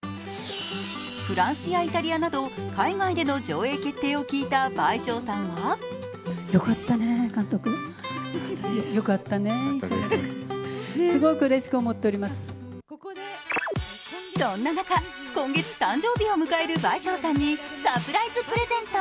フランスやイタリアなど海外での上映決定を聞いた倍賞さんはそんな中、今月誕生日を迎える倍賞さんにサプライズプレゼント。